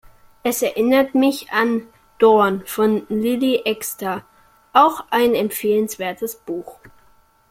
Es erinnert mich an "Dorn" von Lilly Axster, auch ein empfehlenswertes Buch.